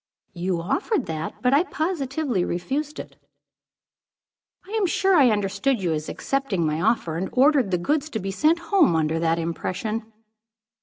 "You offered that, but I positively refused it." "I am sure I understood you as accepting my offer, and ordered the goods to be sent home under that impression."